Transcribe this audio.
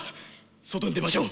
外に出ましょう！